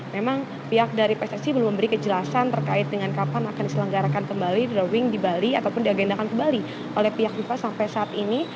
memang pihak dari pssi belum memberi kejelasan terkait dengan kapan akan diselenggarakan kembali drawing di bali ataupun diagendakan kembali oleh pihak fifa sampai saat ini